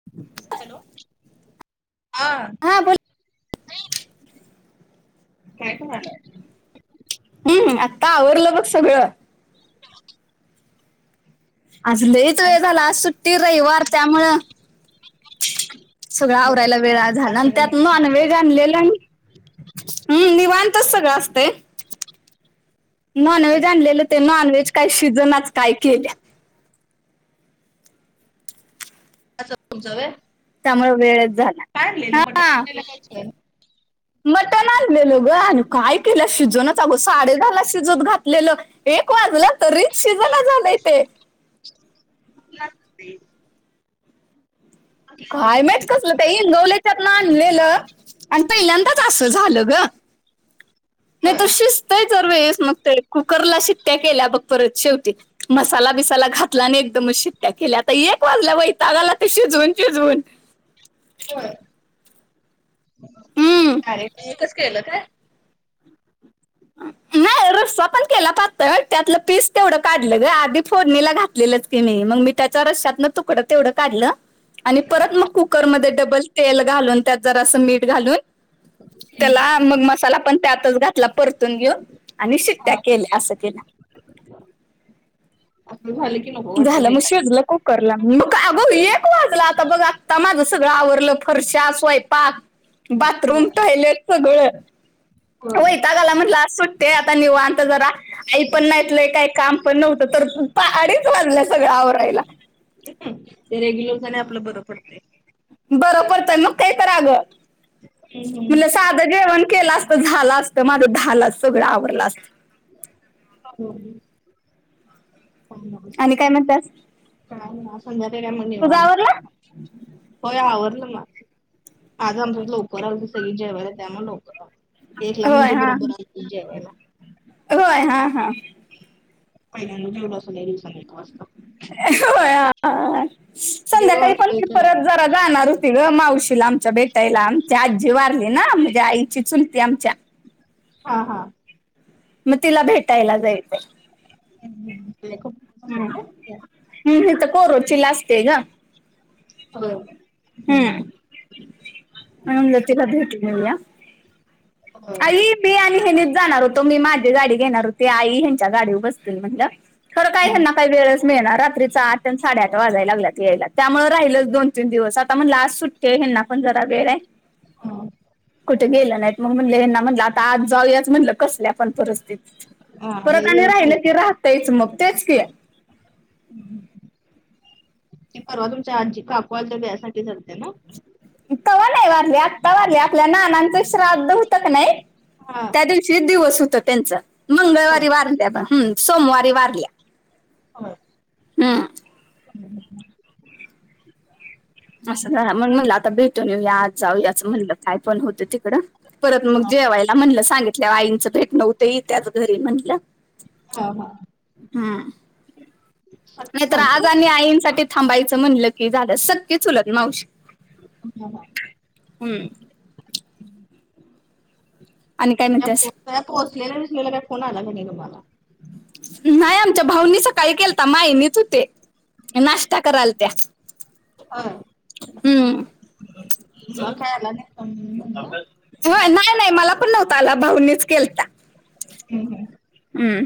[inaudible] Hello आण हा बोल [unintelligible] काय झाल हम् आता आवरलं बग सगळं आज लहीच वेळ झाला आज सुट्टी रविवार त्यामुळं सगळं आवरायला वेळा हा झाला आणि त्यात नॉन वेज आणलेल आणि हम्म निवांतच सगळं असतय निवांत नॉनव्हेज आणलेलं ते नॉनव्हेज काही शिजनाच काय केल्या [unintelligible] तुमचं वय त्यामुळे वेळच झाला पडलेलं पठ हा पलेलं का [inaudible] मटण आणलेलं ग अ काय केलं शिजनाच आंग साडे दहाला शिजत घातलेलं एक वाजला तरी शिजला झालंय ते काय माहित कसलं ते इंगवलेच्यातन आणलेलं आणि पहिल्यांदाच असं झालं ग नाही होय तर शिजतय दर वेळी मग ते कुकरला शिट्या केल्या बग परत शेवटी मसाला बिसाला घातला आणि एकदमच शिट्या केल्या आता एक वाजल्या वैताघ आला ते शिजवून शिजवून होय हम्म अरे मस [unintelligible] केलं काय नाही रस्सा पण केला पातळ त्यातलं पीस तेवढं काढलं ग आधी फोडणीला घातलेलंच क म [unintelligible] मग मी त्याच्या रश्यातन तुकडं तेवढं काढलं आणि परत मग कुकरमध्ये डबल तेल घालून त्यात जरासं मीठ घालून त्याला मग मसाला पण त्यातच घातला परतून घेऊण आणि शिट्ट्या हा केल्या असं केल आपण भ झाले क नक [inaudible] झालं मग शिझल काय कुकराला मग काय अग एक वाजला आता बघ आत्ता माझं सगळं आवरडलं फरशा स्वयंपाक होय बाथरूम टॉयलेट सगळ होय वैताग आला म्हणलं आज सुट्टी आता निवांत जरा आई पण नाहीतलंय काही काम पण नव्हतं तर आडीच वाजल सगळं आवरायला ते रेग्युलर जाणे आपलं बरं पडतय बर करतय मग काही तर अग हम्म म्हलं स झ जेवण केलं असत झालं असत माझ लाच सगळं आवडलं असत होम [unintelligible] आणि काय म्हणत्यास काय ह संध्याकाळी आम्ही मग निवांत आवरला होय आवरलं मग आज आमच्या [unintelligible] लवकर आत सगळी जेवायला त्यामुळ लवकर तेला होय म्हणजे हा हा. बरोबर आहे जेवायला होय हा हा पहिल्या एवढं अस ल सांग वाजं होय दीड संध्याकाळी पण वाजतय जेवायला. परत जरा जाणार ऋती ग मावशील आमच्या भेटायला आमची आजी वारली ना म्हणजे आईची चुलती आमच्या हा हा मग तिला भेटायला जाईच हम् ब हम् हम् त कोोरोचीि लास्तयग हम हम्म मम जोतेलाध भटलल्या होय. आई मी आणि हनीच जाणार होतो मी माझी गाडी घेणार होते आई हच्या गाडी बसतील म्हणलं खरं काय हा त्यांना काही वेळ ळणार रात्रीचा आठ साडे आठ वाजाला लागल्यात यायला त्यामुळे राहिलंच दोन तीन दिवस आता मग लास्ट सुट्ट ते हना पण जरा वेळ आहे हा कुठे गेलं नाहीत मग म्हणलेना म्हटलं आता आज जाऊयाच म्हटलं कसल्या आपण परिस्थिती हा लय परत आणि दिवस राहिलं की राहतायच मग तेच की हम्म ते परवा तुमच्या आजी काकवायल तरसाठी लते ना तवा नाही वारले आत्ता वारले आपल्या नानांचं श्राद्ध होत क नाही हा त्या दिवशीच दिवस होता त्यांचा. होय. मंगळवारी वारल्या पण सोमवारी वारल्या. हो हम्म [unintelligible] असं झालं मग म्हणला आता भेटून येऊया आज जाऊ याचं म्हणलं काय पण होतं तिकडं परत मग हा जेवायला म्हणलं सांगितल्या आईंचं भेट नव्हते त्याच घरी म्हणलं. हा हा. सख्खी नाही तर मावशी आज आणि आईंसाठी थांबायचं म्हणलं की झालं सक्की चुलत मावशी हा हा. हम्म. [inaudible] आणि काय म्हणतेस? पोचलेला दिसलेला काय फोन आला क नाही तुम्हाला? नाही आमच्या भाऊनी सकाळी केलता माईनीच होते नाष्टा कराल त्या. हा हम्म म काय आला नाही फोन म्हणलं. ह नाही नाही मला पण नव्हतं आला भाऊंनीच केलता. हम्म हम्म हम्म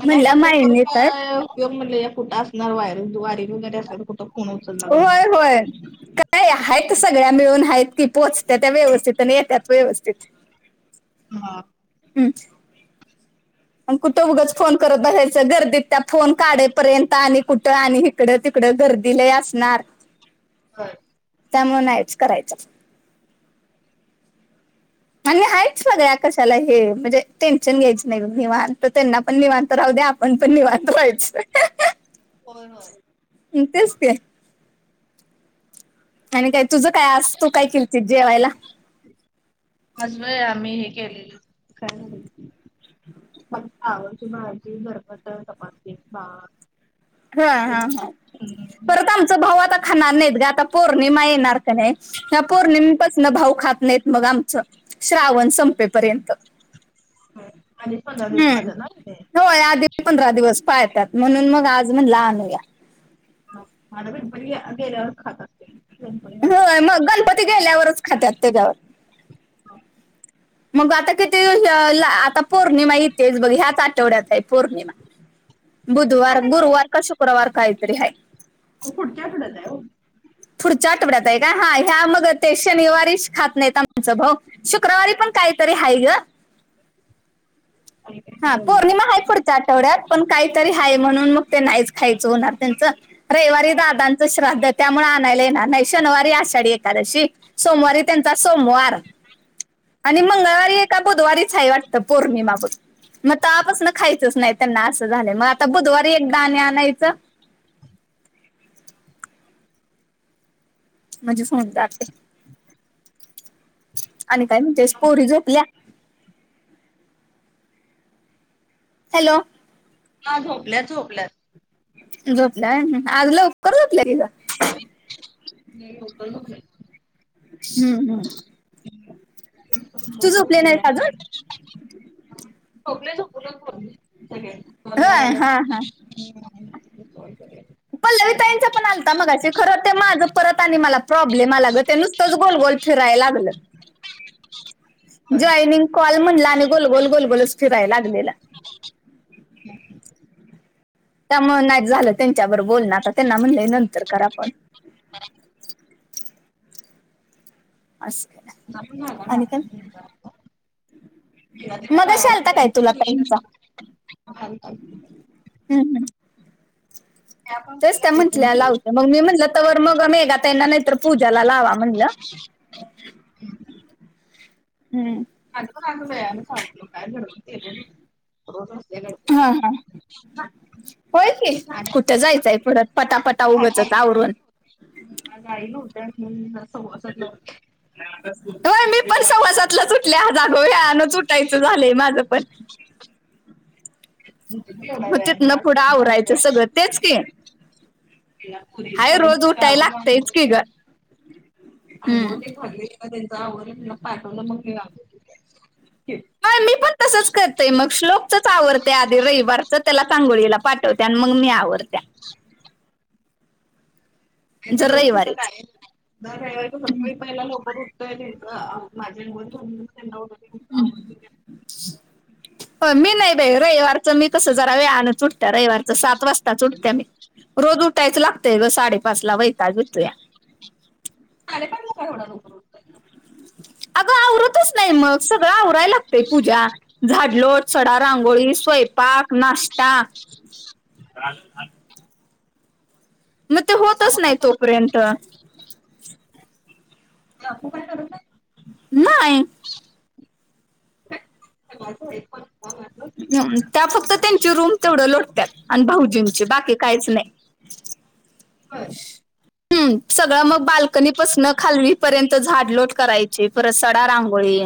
मला म्हणलं वाटलं फोन करू मायने तर काय? किं म्हणलं या कुठं असणार वायर वारी वगैरे असणार कुठं. फोन उचलणार म्हणलं होय राहू होय. दे. नाय आहेत सगळ्या मिळून आहेत की पोहोचत त्या व्यवस्थित आणि येत्यात व्यवस्थित. हा हम्म. अ कुठं उगच फोन करत बसायचा गर्दीत त्या फोन काढे पर्यंत आणि कुठं आणि इकडं तिकडं गर्दी लय असणार. हां त्यामुळे नायच करायचं. आणि हायच सगळ्या कशाला हे म्हणजे टेन्शन घ्यायचा नाही निवांत त्यांना पणनिवांत राहू द्या आपण पण निवांत व्हायचा. होय होय. हम्म तेच ते. आणि काय तुझं काय? आज तु काय केलतीस जेवायला? आज वय आम्ही हे केलेलं काय म्हणं? फ्लावरची भाजी घरपट चपाती, भात. हा हा केली. हा हम्म. परत आमचा भाऊ आता खाणार नाहीत गं आता पौर्णिमा येणार का नाही ह्या पौर्णिमेपासन भाऊ खात नाहीत मग आम चा श्रावण संपेपर्यंत. हां आणि एक पंधरा दिवस हम्म पाळतेत ना ते. होय आधी पंधरा दिवस पाळत्यात म्हणून मग आज म्हणला आणू या. माझ्या [unintelligible] गेल्यावर खात माझ्या असतील. [unintelligible] होय मग गणपती गेल्यावरच खात्यात त्याच्यावर. मग आता किती हे ला आता पौर्णिमा येतेच बघ ह्याच आठवड्यात हाय. पौर्णिमा काय बुधवार, ते गुरुवार काय का शुक्रवार कायतरी हाय. पुढच्या आठवड्यात हाय ओ. पुढच्या आठवड्यात आहे काय हा ह्या मग ते शनिवारीच खात नाहीत आमचं भाऊ. शुक्रवारी पण कायतरी आहे गं. आणि काय हां नाही पौर्णिमा आहे बघितलं. पुढच्या आठवड्यात पण काहीतरी आहे म्हणून मग ते नाहीच खायचं होणार त्यांचं. रविवारी दादांचं श्राद्ध त्यामुळे आणायला येणार नाही, शनिवारी आषाढी एकादशी सोमवारी त्यांचा सोमवार आणि मंगळवारी आहे का बुधवारीच आहे वाटतं पौर्णिमा बग. मग तवां पसन खायचंच नाही त्यांना,, असं झालंय, मग आता बुधवारी एकदा आणि आणायचंऽ म्हझी फोन जाते,, आणि काय म्हणतेस पोरी झोपल्या? हॅलो, हां,, झोपल्यात,, झोपल्यात. झोपल्यानं आज लवकर झोपल्या कि गं? नाही लवकर झोपल्या ती. हम्म, हम्, लवकर उठलेली नाहीस अजून गं, झोपल्या झोपुदेऽ कॉल याय होय लागलायऽ हा हा त्यांच्या पण आलता मगाशी खरं ते माझं परत आणि,, मला प्रॉब्लेम आला ग,, त्या नुसतच गोल गोल फिराय लागल. [unintelligible] जॉईनिंग कॉल म्हणलं, आणि गोलगोल गोलगोलच फिरायला लागलेला ह [inaudible] त्यामुळ नाहीच झालं त्यांच्याबर बोलणं,, आता त्यांना म्हणलंय नंतर करा फोन. [unintelligible] असं. च्या पिऊन झाला आणि माझा, काय तुमचा, आता. मगाशी आलता काय तुला ताईंचा [inaudible] हम्,, हम त्या पण तेच तुला त्या मी पण म्हटल्या बोलू लावतो,, मग मी म्हटलं, तवर मग मेघा त्यांईना नाहीतर पूजाला लावा म्हटलं. हम्म, अ आग व्यायाम काय घडबड केलो नाही,, रोज नसत्या गडबड हा हा होय की,, कुठं जायचंय पुढं,, पटापटा आज उगचच आई आवरून. आज आई नव्हत्या म्हणून संवासातला उठले होय, मी पण सवासातलंच ऊटलोय,, आज आग वेळानच ऊटायचं झालंय माझं पण. [inaudible] मग तिथन आज पुढं त्या आवरायचं सगळं,, तेच की. पुरी, हाय पुरींच रोज जरा उठायला आवरलो, लागतंयच आंगोळी की तेन गं आंघोळ हम्म तेन झाली बाई मग हेंच आवरलं, हिला पाठवलं मग मी आवरलं [inaudible] तसच करतय मग श्लोक चच आवडते आधी रविवारच त्याला आगोळीला पाठवते आणि मग मी आवरतिया जर रोज कस रविवारीच काय हेच काय. रविवारच सकाळी पहिला लवकर उठतोय मी गं अंघोळ झाल्यावर त्याना उठवून मी आवरतिया हो मी नाही बाई रविवारचं मी कस जरा वेळानंच उठतीया रविवारच सात वाजता उठत्या मी, रोज उठायचं लागतंय ग साडेपाच ला वैतागं येतू्या साडे पाचला काय होणार एवढ्या लवकर उठून अगं आवरतच नाही मग सगळं आवराय लागतंय पूजा झाडलोट, सडा, रांगोळी, स्वयंपाक, नाश्ता. म ते कामं होतच नाही तोपर्यंत काकू काय करतंय नाहीय माझं आहे पण काम त्या फक्त त्यांची रूम तेवढं लोटत्यात आणि भाऊजींची बाकी कायच नाही [inaudible] होय हम्म सगळं मग बाल्कनीपसन खालवी पर्यंत झाडलोट करायची परत सडा रांगोळी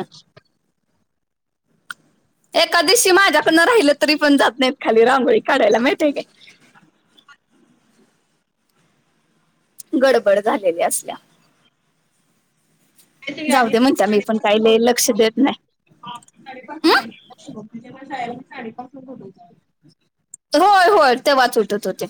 एका दिशी माझ्याकडनं राहिलं तरी पण जात नाहीत खाली रांगोळी काढायला माहितीय काय गडबड झालेली असतीया काहीतरी जाऊ आधी दे ते म्हणत्या मी पण साडेपाचला काही लई लक्ष सोडते देत नाही हं? [inaudible] होय होय ते वाच उठत होते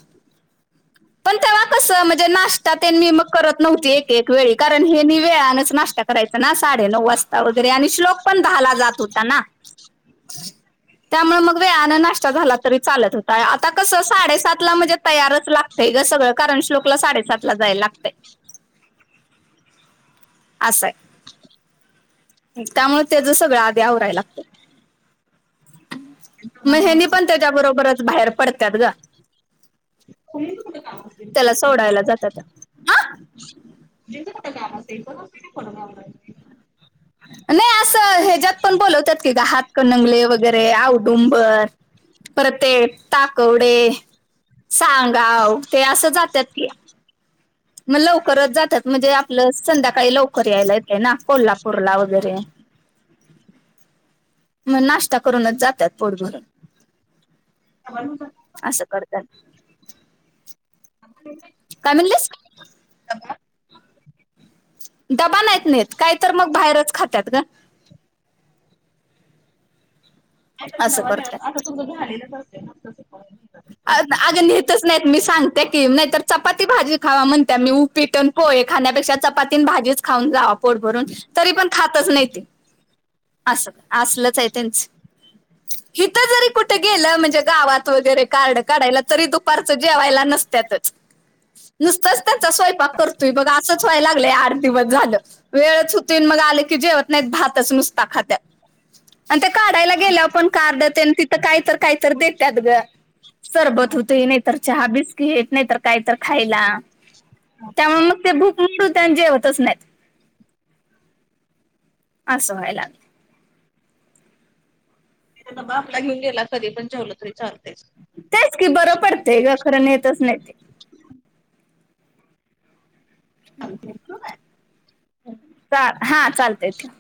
पण तेवा कसं म्हणजे नाष्टा तेन मी मग करत नव्हती एक एक वेळी कारण हे म वेळनेच नाष्टा करायचा ना साडे नऊ वाजता. वगैरे आणि श्लोक पण दहाला जात होता ना. [inaudible] त्यामुळ मग वेळानं नाष्टा झाला तरी चालत होता आता कस साडेसात ला म्हणजे तयारच लाग तय ग सगळं कारण श्लोकला साडेसात ला जायला लागतंय. असाय. त्यामुळे त्याचं सगळं आधी आवरायला लागतय. आणि म हेनी कोणाबरोबर पण त्याच्या बरोबरच बाहेर पडत्यात ग. [unintelligible] त्याला सोडायला जात्यात. कुठ काम असतय नाही असं हेज्यात पण बोलवतात की ग हातक नंगले वगैरे औदुंबर परत ते ताकवडे सांगाव ते असं जात्यात की. मग लवकरच जात्यात म्हणजे आपलं संध्याकाळी लवकर यायला येतय ना कोल्हापूरला वगैरे. मग नाष्टा करूनच जात्यात पोट भरून. डबा घेऊन जात्यात का? असं करत्यानं. [unintelligible] काय म्हणलीस? [unintelligible] डबा नाहीत नेत काय तर मग बाहेरच खात्यात ग. नाय तर असं डब्बा करतात न्याला, आता तुमं झालेलंच असतय ना तस पण. नाही चालते. अग नेत तच नाहीत मी सांगतिया की नाही तर चपाती भाजी खावा म्हणते मी उपीट आण पोहे खाण्यापेक्षा चपाती भाजीच खाऊन जावा पोट भरून तरी पण खातच नाहीती. अस असलच आहे त्याच. [inaudible] हिथं जरी कुठ गेलं म्हणजे गावात वगैरे कार्ड काढायला तरी दुपारचं जेवायला नसत्यातच. [inaudible] नुसतंच त्यांचा स्वंपाक करतोय बघा असंच व्हाय लागलंय यार. दिवस झालं वेळच होतुय मग आलं की जेवत नाहीत भातच नुसता खात्यात. आणि ते काढायला गेल्यावर पण कार्ड तेन तिथं काहीतर काहीतर देतात ग. सरबत हुतुय नाही तर चहा बिस्कीट येत नाही तर काही तर खायला त्यामुळ मग ते भुक हुतंय आणि जेवतच नाहीत असं व्हायला लागलं तिथ डबा आपला घेऊन गेला तरी पण जेवलं तरी चालतच. तेच की बरं पडतेय ग खरं नेतच नाही ती. [inaudible] आमच्या इकडं हा चालतय ठेव.